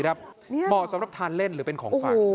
เหมาะสำหรับทานเล่นหรือเป็นของฝาก